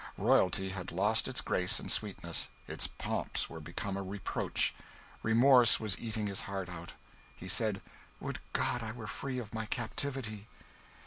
Royalty had lost its grace and sweetness; its pomps were become a reproach. Remorse was eating his heart out. He said, "Would God I were free of my captivity!"